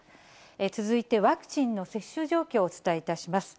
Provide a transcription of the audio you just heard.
続いて、ワクチンの接種状況をお伝えいたします。